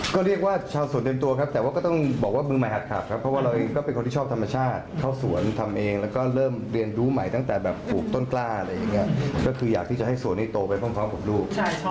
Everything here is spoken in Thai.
ก็เรียกว่าชาวสวนเต็มตัวครับแต่ว่าก็ต้องบอกว่ามือใหม่หักครับเพราะว่าเราเองก็เป็นคนที่ชอบธรรมชาติเข้าสวนทำเองแล้วก็เริ่มเรียนรู้ใหม่ตั้งแต่แบบปลูกต้นกล้าอะไรอย่างนี้ก็คืออยากที่จะให้สวนนี้โตไปพร้อมกับลูก